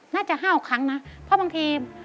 น่าจะ๕๖ครั้งนะเพราะบางที